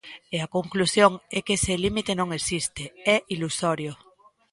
E a conclusión é que ese límite non existe, é ilusorio.